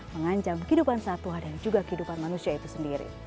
mengancam kehidupan satwa dan juga kehidupan manusia itu sendiri